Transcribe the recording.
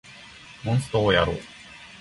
モンストをやろう